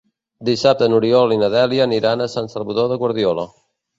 Dissabte n'Oriol i na Dèlia aniran a Sant Salvador de Guardiola.